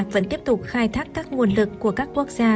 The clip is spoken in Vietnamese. vẫn tiếp tục khai thác các nguồn lực của các quốc gia